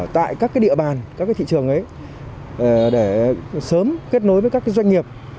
tại các địa bàn các thị trường ấy để sớm kết nối với các doanh nghiệp